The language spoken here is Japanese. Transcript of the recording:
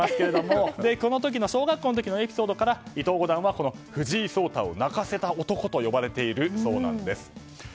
この時の小学校のエピソードから伊藤五段は藤井聡太を泣かせた男と呼ばれているそうなんです。